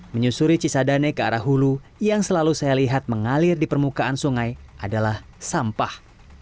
menyusuri cisadane ke arah hulu yang selalu saya lihat mengalir di permukaan sungai adalah sampah